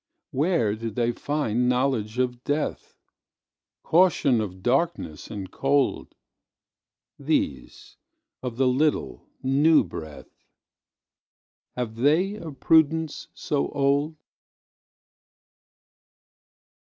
Where did they findKnowledge of death? Caution of darkness and cold? These—of the little, new breath—Have they a prudence so old?